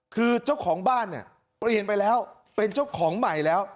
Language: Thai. คือเจ้าของบ้านเนี่ยเปลี่ยนไปแล้วเป็นเจ้าของใหม่แล้ว